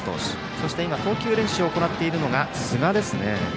そして今、投球練習を行っているのは寿賀ですね。